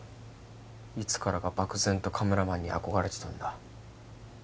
いつからか漠然とカメラマンに憧れてたんだ